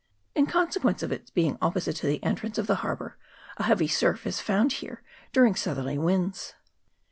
In consequence of its be ing opposite to the entrance of the harbour, a heavy surf is found here during southerly winds.